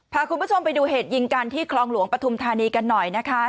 พาคุณผู้ชมไปดูเหตุยิงกันที่คลองหลวงปฐุมธานีกันหน่อยนะคะ